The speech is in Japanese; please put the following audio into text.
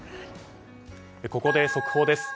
ここで速報です。